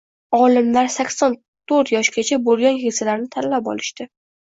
Olimlar sakson to`rtyoshgacha boʻlgan keksalarni tanlab olishdi.